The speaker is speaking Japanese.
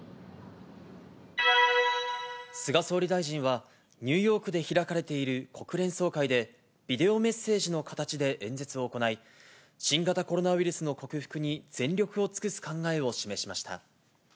菅総理大臣は、ニューヨークで開かれている国連総会で、ビデオメッセージの形で演説を行い、新型コロナウイルスの克服に全力を尽くす考えを示しました。